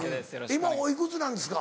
今おいくつなんですか？